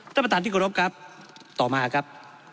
ต้นประทานที่ขอรบครับต่อมาครับ